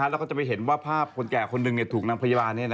แล้วก็จะไปเห็นว่าภาพคนแก่คนหนึ่งถูกนางพยาบาล